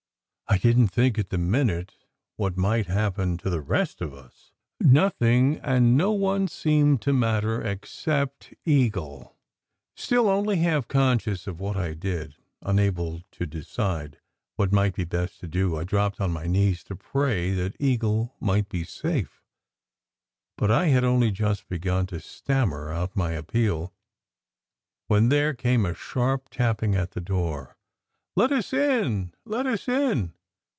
I didn t think at the minute what might happen to the rest of us. Nothing and no one seemed to matter except Eagle. Still only half conscious of what I did, unable to decide what might be best to do, I dropped on my knees to pray that Eagle might be safe. But I had only just begun to stammer out my appeal when there came a sharp tapping at the door. " Let us in let us in